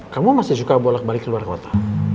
kamu masih suka bolak balik ke luar kota